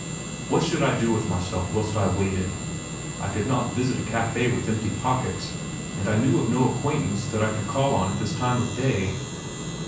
What should I do with myself whilst I waited? I could not visit a cafe with empty pockets, and I knew of no acquaintance that I could call on at this time of day.